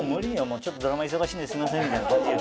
「ちょっとドラマ忙しいんですいません」みたいな感じよ。